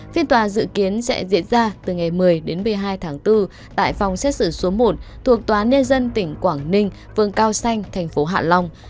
phiên tòa dự kiến sẽ diễn ra từ ngày một mươi đến một mươi hai tháng bốn tại phòng xét xử số một thuộc tòa nhân dân tỉnh quảng ninh vương cao xanh thành phố hạ long